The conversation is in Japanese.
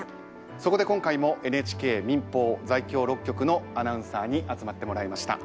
そこで今回もＮＨＫ民放在京６局のアナウンサーに集まってもらいました。